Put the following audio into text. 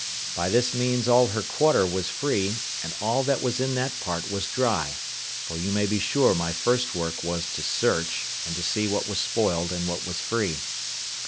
By this means all her quarter was free, and all that was in that part was dry; for you may be sure my first work was to search, and to see what was spoiled and what was free.